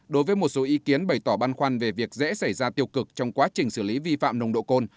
đối với một số ý kiến bày tỏ băn khoăn về việc dễ xảy ra tiêu cực trong quá trình xử lý vi phạm nồng độ cồn